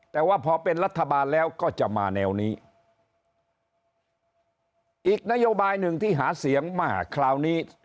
แต่ว่าพอเป็นรัฐบาลแล้วก็จะมาแนวนี้อีกนโยบายหนึ่งที่หาเสียงมาคราวนี้